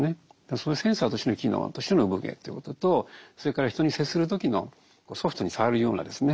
そういうセンサーとしての機能としての生ぶ毛ということとそれから人に接する時のソフトに触るようなですね